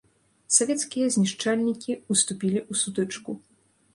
Савецкія знішчальнікі ўступілі ў сутычку.